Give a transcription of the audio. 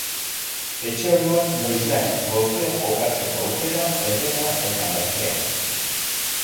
Etxe ondoan, noiznahi, golfean jokatzeko aukera ederra eta merkea.